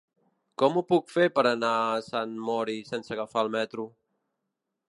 Com ho puc fer per anar a Sant Mori sense agafar el metro?